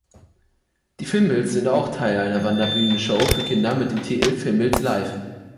Die Fimbles sind auch Teil einer Wanderbühnenshow für Kinder mit dem Titel Fimbles Live!